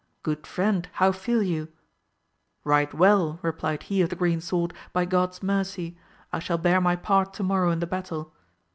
Good friend, how feel you ? Eight well, replied he of the green sword, by God's mercy ! I shall bear my part to morrow in the battle.